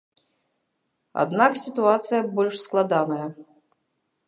Аднак сітуацыя больш складаная.